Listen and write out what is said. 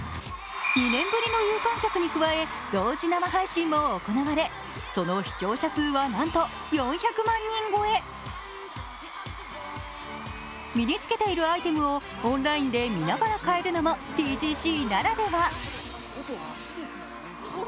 ２年ぶりの有観客に加え、同時生配信も行われその視聴者数はなんと４００万人超え身に付けているアイテムをオンラインで見ながら買えるのもＴＧＣならでは。